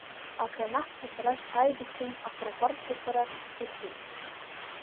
Акранаҳфа, сара сҽааибысҭан, ахырӷәӷәарҭақәа рахь сдәықәлеит.